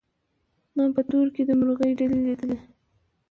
ما په تور کي د مرغۍ ډلي لیدلې